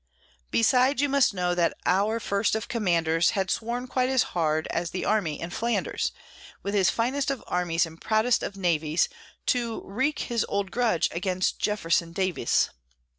Besides, you must know, that our First of Commanders Had sworn quite as hard as the army in Flanders, With his finest of armies and proudest of navies, To wreak his old grudge against Jefferson Davis.